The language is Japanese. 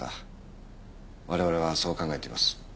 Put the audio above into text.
我々はそう考えています。